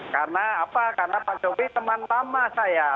karena pak jokowi teman lama saya